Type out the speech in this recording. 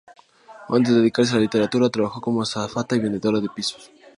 Antes de dedicarse a la literatura, trabajó como azafata y vendedora de pisos.